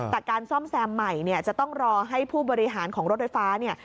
แต่การซ่อมแซมใหม่เนี่ยจะต้องรอให้ผู้บริหารของรถไฟฟ้าเนี่ย